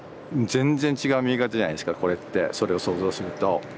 全然違う見え方じゃないすかこれってそれを想像すると。